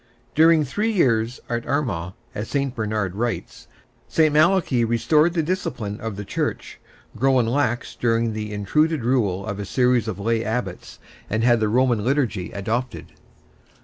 During three years at Armagh, as St. Bernard writes, St. Malachy restored the discipline of the Church, grown lax during the intruded rule of a series of lay abbots, and had the Roman Liturgy adopted.